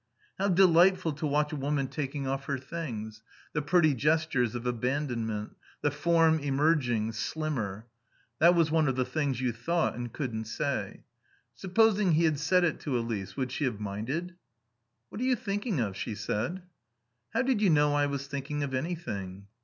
How delightful to watch a woman taking off her things, the pretty gestures of abandonment; the form emerging, slimmer. That was one of the things you thought and couldn't say. Supposing he had said it to Elise? Would she have minded? "What are you thinking of?" she said. "How did you know I was thinking of anything?"